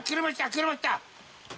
車来た！